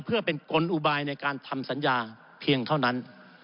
เพื่อเป็นกลอุบายในการทำสัญญาเพียงเท่านั้น